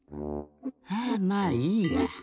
ハァまあいいや。